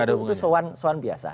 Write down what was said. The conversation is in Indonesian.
itu soal biasa